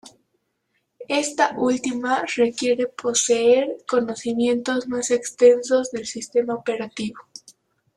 Esta última requiere poseer conocimientos más extensos del sistema operativo.